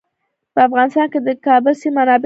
په افغانستان کې د د کابل سیند منابع شته.